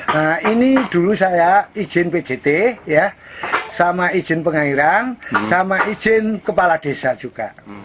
nah ini dulu saya izin pjt ya sama izin pengairan sama izin kepala desa juga